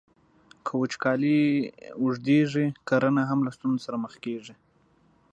که وچکالۍ اوږدیږي، کرنه هم له ستونزو سره مخ کیږي.